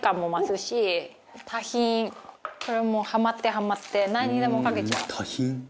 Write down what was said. これハマってハマってなんにでもかけちゃう。